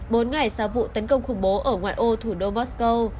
bốn ngày sau vụ tấn công khủng bố ở ngoài ô thủ đô moscow